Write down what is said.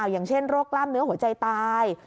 อย่างเช่นโรคกล้ามเนื้อหัวใจตาย